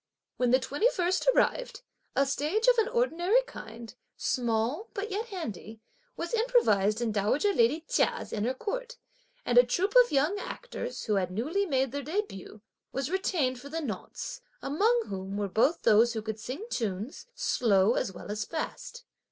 When the 21st arrived, a stage of an ordinary kind, small but yet handy, was improvised in dowager lady Chia's inner court, and a troupe of young actors, who had newly made their début, was retained for the nonce, among whom were both those who could sing tunes, slow as well as fast.